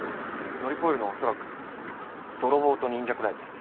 乗り越えるのは恐らく泥棒と忍者くらいです。